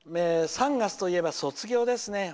３月といえば卒業ですね。